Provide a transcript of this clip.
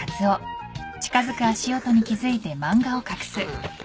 うん。